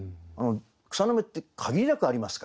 草の芽って限りなくありますから。